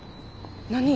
何？